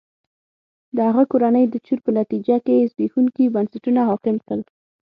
د هغه کورنۍ د چور په نتیجه کې زبېښونکي بنسټونه حاکم کړل.